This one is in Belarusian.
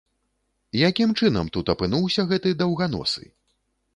Якім чынам тут апынуўся гэты даўганосы?